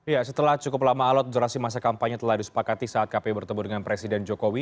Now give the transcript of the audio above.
ya setelah cukup lama alat durasi masa kampanye telah disepakati saat kpu bertemu dengan presiden jokowi